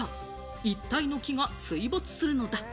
一帯の木が水没するのだ。